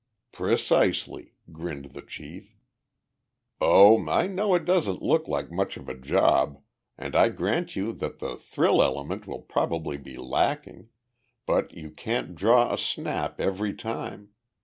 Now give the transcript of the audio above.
"Precisely," grinned the chief. "Oh, I know it doesn't look like much of a job and I grant you that the thrill element will probably be lacking. But you can't draw a snap every time.